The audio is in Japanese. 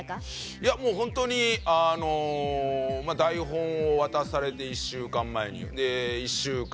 いやもうホントにあの台本を渡されて１週間前に１週間